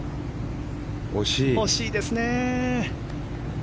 惜しいですね。